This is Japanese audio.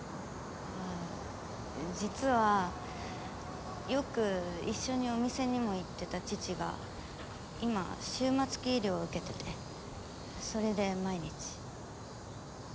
あっ実はよく一緒にお店にも行ってた父が今終末期医療を受けててそれで毎日。